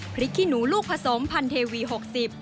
พริกขิหนูลูกผสมพันเทเวีย์หกสิบ